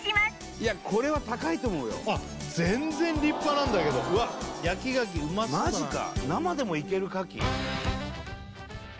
いやこれは高いと思うよあっ全然立派なんだけどわっ焼き牡蠣うまそうだなマジか？